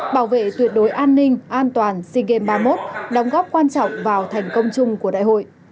bảo vệ tuyệt đối an ninh an toàn sea games ba mươi một đóng góp quan trọng vào thành công chung của đại hội